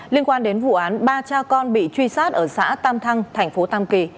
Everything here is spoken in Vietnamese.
liên quan đến vụ án ba cha con bị truy sát ở xã tam thăng thành phố tam kỳ